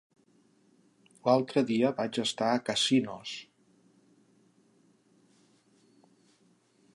L'altre dia vaig estar a Casinos.